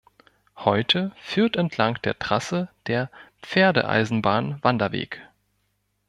Heute führt entlang der Trasse der "Pferdeeisenbahn-Wanderweg".